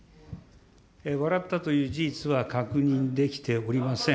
笑ったという事実は確認できておりません。